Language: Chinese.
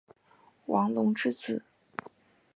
王隆之子。